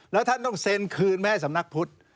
แล้วท่านต้องเซ็นคืนมาให้สำนักพุทธ